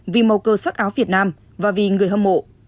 vì màu cơ sắc áo việt nam và vì người hâm mộ